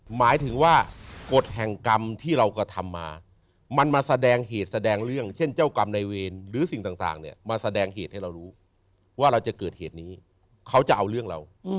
หมายถึงว่ากฎแห่งกรรมที่เรากระทำมามันมาแสดงเหตุแสดงเรื่องเช่นเจ้ากรรมในเวรหรือสิ่งต่างเนี่ยมาแสดงเหตุให้เรารู้ว่าเราจะเกิดเหตุนี้เขาจะเอาเรื่องเรา